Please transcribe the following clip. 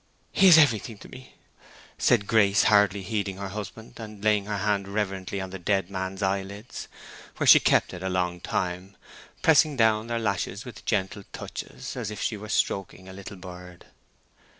"He is everything to me!" said Grace, hardly heeding her husband, and laying her hand reverently on the dead man's eyelids, where she kept it a long time, pressing down their lashes with gentle touches, as if she were stroking a little bird.